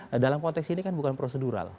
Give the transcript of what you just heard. nah dalam konteks ini kan bukan prosedural